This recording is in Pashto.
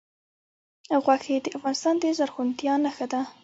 غوښې د افغانستان د زرغونتیا نښه ده.